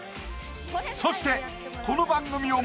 そしてこの番組を